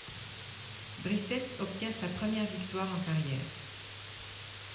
Brissett obtient sa première victoire en carrière.